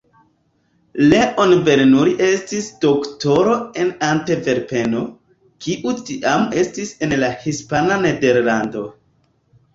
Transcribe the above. Leon Bernoulli estis doktoro en Antverpeno, kiu tiam estis en la Hispana Nederlando.